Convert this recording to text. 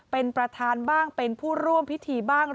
เป็นประธานบ้างเป็นผู้ร่วมพิธีบ้าง